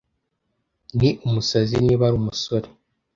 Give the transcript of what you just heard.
ni umusazi niba ari umusore